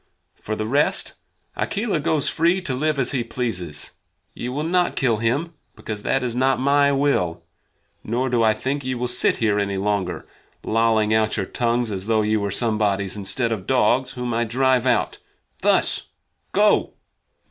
For the rest, Akela goes free to live as he pleases. Ye will not kill him, because that is not my will. Nor do I think that ye will sit here any longer, lolling out your tongues as though ye were somebodies, instead of dogs whom I drive out thus! Go!"